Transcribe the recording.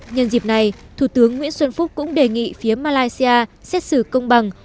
nhân dịp này thủ tướng nguyễn xuân phúc cũng đề nghị phía malaysia xét xử công bằng